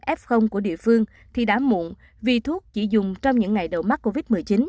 nếu chờ giấy xác nhận f của địa phương thì đã muộn vì thuốc chỉ dùng trong những ngày đầu mắc covid một mươi chín